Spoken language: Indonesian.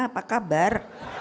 pak purnama apa kabar